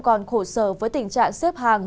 còn khổ sở với tình trạng xếp hàng